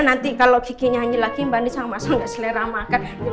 nanti kalau kiki nyanyi lagi mbak andina sama sama nggak selera makan